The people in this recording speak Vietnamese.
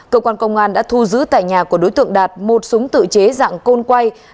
cơ quan công an đã thu giữ tại nhà của đối tượng đạt một súng tự chế dạng côn quay